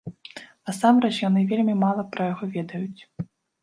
Насамрэч яны вельмі мала пра яго ведаюць.